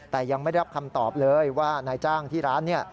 แต่ยังไม่ได้รับคำตอบเลยว่านายจ้างที่ร้านเนี่ย